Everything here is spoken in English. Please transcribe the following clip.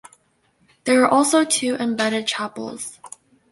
There are also two embedded chapels.